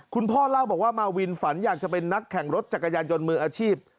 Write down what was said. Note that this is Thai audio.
คุณพ่อเล่าบอกว่ามาวินฝันอยากจะเป็นนักแข่งรถจักรยานยนต์มืออาชีพ